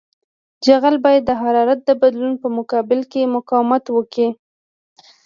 جغل باید د حرارت د بدلون په مقابل کې مقاومت وکړي